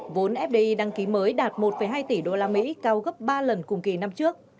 vốn fdi đăng ký mới đạt một hai tỷ usd cao gấp ba lần cùng kỳ năm trước